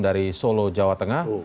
dari solo jawa tengah